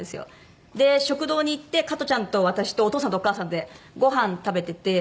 食堂に行って加トちゃんと私とお父さんとお母さんでごはん食べてて。